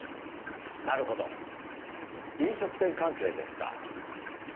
なるほど飲食店関係ですか。